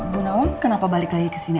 bu nawang kenapa balik lagi kesini